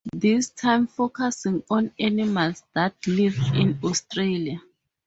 This time focusing on animals that live in Australia.